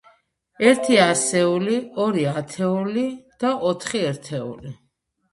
ერთი ასეული, ორი ათეული და ოთხი ერთეული.